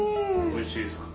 おいしいですか。